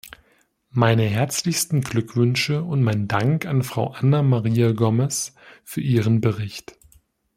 Meine herzlichsten Glückwünsche und mein Dank an Frau Ana Maria Gomes für ihren Bericht.